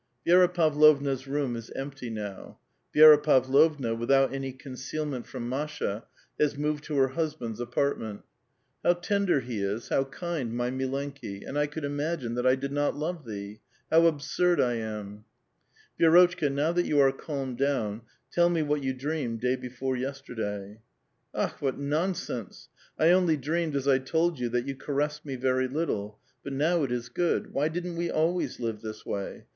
Vi6ra Pavlovna's room is empty now. Vi6ra Pavlovna, without anv concealment from Masha, has moved to her hus band's apartment. " How tender he is, how kind, my mi lenkl I and I could imagine that I did not love thee ! How absurd I am !". v " Vi^rotchka, now that you are calmed down, tell me what you dreamed day before yesterday." ^^Akh! what nonsense! I onlv dreamed, as I told vou, that you caressed me very little ; but now it is good. Why didn't we always live this way?